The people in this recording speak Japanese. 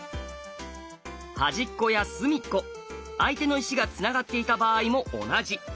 端っこや隅っこ相手の石がつながっていた場合も同じ。